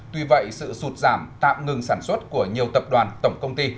tuy vậy sự sụt giảm tạm ngừng sản xuất của nhiều tập đoàn tổng công ty